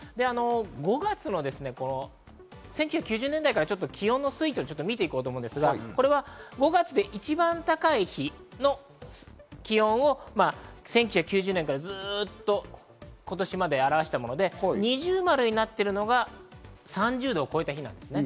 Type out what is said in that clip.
５月の１９９０年代から気温の推移を見て行こうと思うんですが、これは５月で一番高い日の気温を１９９０年からずっと今年まで表したもので、二重丸になっているのが３０度を超えた日なんです。